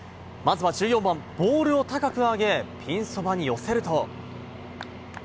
まずは１４番、ボールを高く上げピンそばに寄せると。